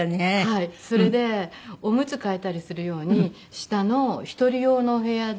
それでおむつ替えたりする用に下の１人用のお部屋で。